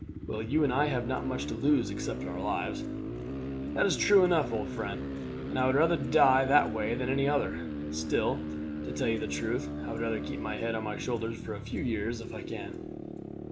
Well, you and I have not much to lose, except our lives." "That is true enough, old friend; and I would rather die that way than any other. Still, to tell you the truth, I would rather keep my head on my shoulders for a few years if I can."